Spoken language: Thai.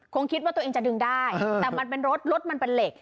คงคิดว่าตัวเองจะดึงได้แต่มันเป็นรถรถมันเป็นเหล็ก